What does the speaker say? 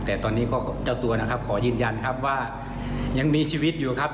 แต่ตอนนี้ก็เจ้าตัวนะครับขอยืนยันครับว่ายังมีชีวิตอยู่ครับ